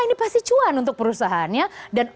ini pasti cuan untuk perusahaannya dan